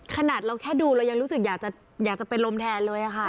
ขนาดเราแค่ดูเรายังรู้สึกอยากจะที่อยากจะเป็นรมแทนเลยอะค่ะ